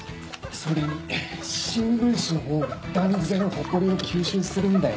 それに新聞紙のほうが断然ホコリを吸収するんだよね。